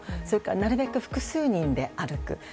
それから、なるべく複数人で歩く。